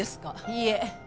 いいえ。